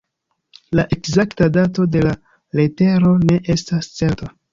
La ekzakta dato de la letero ne estas certa.